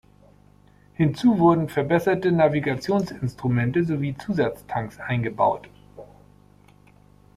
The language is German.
Hinzu wurden verbesserte Navigationsinstrumente sowie Zusatztanks eingebaut.